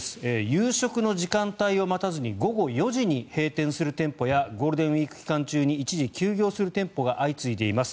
夕食の時間帯を待たずに午後４時に閉店する店舗やゴールデンウィーク期間中に一時休業する店舗が相次いでいます。